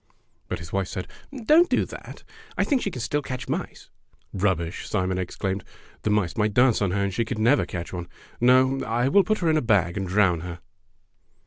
'' But his wife said: "Don't do that. I think she can still catch mice." " Rubbish !" Simon exclaimed. " The mice might dance on her, and she could never catch one. No, I will put her in a bag and drown her."